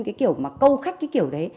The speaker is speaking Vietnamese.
cái kiểu mà câu khách cái kiểu đấy